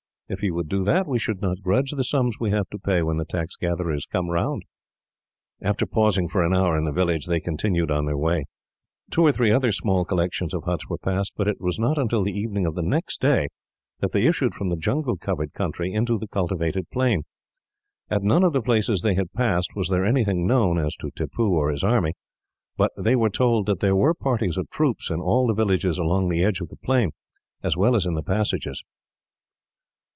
If he would do that, we should not grudge the sums we have to pay, when the tax gatherers come round." After pausing for an hour in the village, they continued on their way. Two or three other small collections of huts were passed, but it was not until the evening of the next day that they issued from the jungle covered country, onto the cultivated plain. At none of the places they had passed was there anything known, as to Tippoo or his army, but they were told that there were parties of troops, in all the villages along the edge of the plain, as well as in the passes.